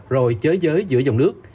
rồi chới giới giữa dòng nước